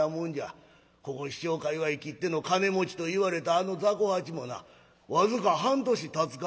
ここ四町界わいきっての金持ちといわれたあの雑穀八もな僅か半年たつか